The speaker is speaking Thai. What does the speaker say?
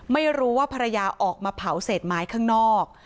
ไม่รู้ว่าภรรยาออกมาเผาเศษไม้ข้างนอก